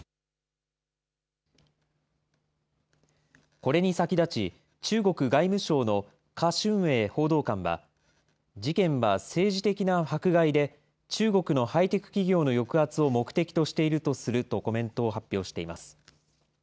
これに先立ち、中国外務省の華春瑩報道官は、事件は政治的な迫害で、中国のハイテク企業の抑圧を目的としているとするコメントを発表しています。